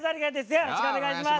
よろしくお願いします。